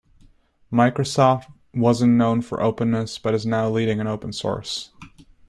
Microsoft wasn't known for openness but is now leading in open source.